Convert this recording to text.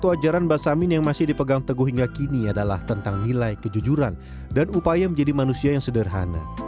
teguh ajaran basamin yang masih dipegang teguh hingga kini adalah tentang nilai kejujuran dan upaya menjadi manusia yang sederhana